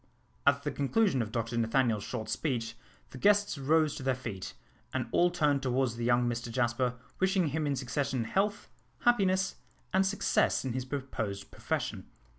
At the conclusion of Dr Nathaniel's short speech the guests rose to their feet, and all turned towards the young Mr Jasper, wishing him in succession health, happiness, and success in his proposed profession.